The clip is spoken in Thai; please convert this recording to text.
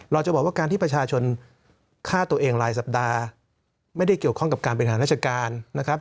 เราจะบอกว่าการที่ประชาชนฆ่าตัวเองรายสัปดาห์ไม่ได้เกี่ยวข้องกับการบริหารราชการนะครับ